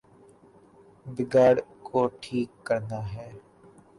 بگاڑ کو ٹھیک کرنا ہے۔